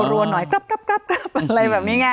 รัวหน่อยครับเลยแบบนี้ไง